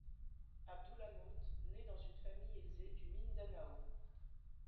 Abdoullah Maute naît dans une famille aisée du Mindanao.